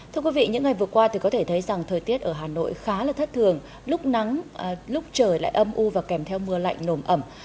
thưa quý vị những ngày vừa qua thì có thể thấy rằng thời tiết ở hà nội khá là thất thường lúc nắng lúc trời lại âm u và kèm theo mưa lạnh nồm ẩm